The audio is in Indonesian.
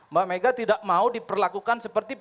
mbak mega tidak mau diperlakukan seperti